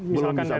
belum bisa baca